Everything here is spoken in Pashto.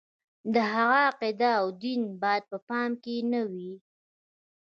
د هغه عقیده او دین باید په پام کې نه وي.